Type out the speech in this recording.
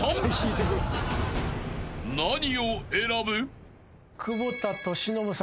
［何を選ぶ？］